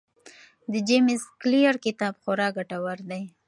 د جیمز کلیر کتاب خورا ګټور دی.